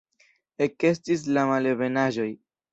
Ekestis la malebenaĵoj.